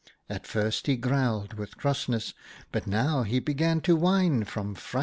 At first he had growled with crossness, but now he began to whine from frightenness.